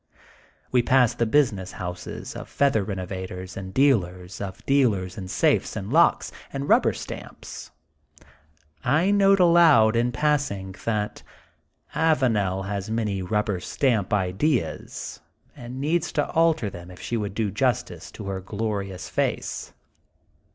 We pass the business houses of feather renovators and dealers, of dealers in safes and looks, and rubber stamps. I note aloud in passing that Avanel has many rubber stamp ideas and needs to alter them if she would do justice to her glorious face.